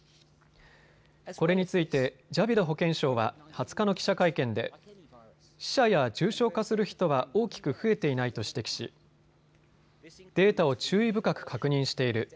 これについてジャビド保健相は２０日の記者会見で死者や重症化する人は大きく増えていないと指摘しデータを注意深く確認している。